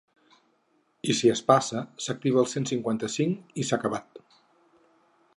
I si es passa, s’activa el cent cinquanta-cinc i s’ha acabat.